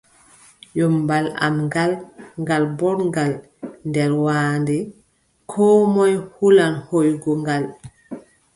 Ƴommbal am ngal, ngal booɗngal nder waande, koo moy hulan hooygo ngal.